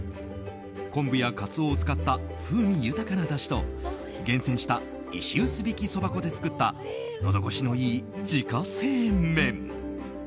昆布やカツオを使った風味豊かなだしと厳選した石臼びきそば粉で作ったのど越しのいい自家製麺。